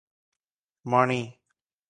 ମଣି!